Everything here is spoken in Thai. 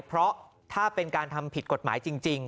เพราะถ้าเป็นการทำผิดกฎหมายจริง